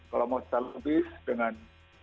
kalau moestar lubis dengan